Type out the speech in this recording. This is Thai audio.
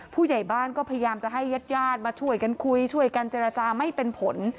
ผู้ใหญ่บ้านก็พยายามจะให้ญาติญาติมาช่วยกันคุยช่วยกันเจรจาไม่เป็นผล